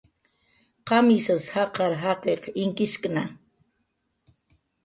¿Qamishas jaqar jaqiq inkishkna?